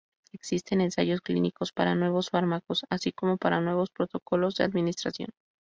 Existen ensayos clínicos para nuevos fármacos, así como para nuevos protocolos de administración.